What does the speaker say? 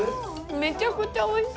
めちゃくちゃおいしい。